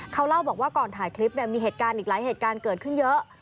เขาเล่าบอกว่าก่อนถ่ายคลิปเนี่ยมีเหตุการณ์อีกหลายเหตุการณ์เกิดขึ้นเยอะ